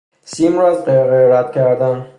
سیم را از قرقره رد کردن